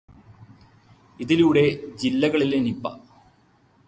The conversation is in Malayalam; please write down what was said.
ഇതിലൂടെ ജില്ലകളിലെ നിപ